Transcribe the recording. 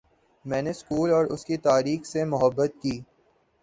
میں نے سکول اور اس کی تاریخ سے محبت کی